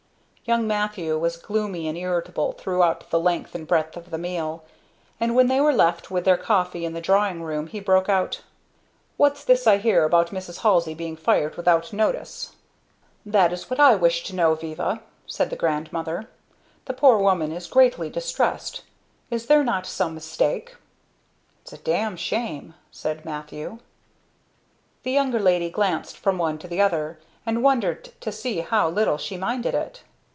Young Matthew was gloomy and irritable throughout the length and breadth of the meal; and when they were left with their coffee in the drawing room, he broke out, "What's this I hear about Mrs. Halsey being fired without notice?" "That is what I wish to know, Viva," said the grandmother. "The poor woman is greatly distressed. Is there not some mistake?" "It's a damn shame," said Matthew. The younger lady glanced from one to the other, and wondered to see how little she minded it.